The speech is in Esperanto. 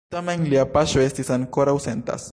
Tamen, lia paŝo estis ankoraŭ sentas.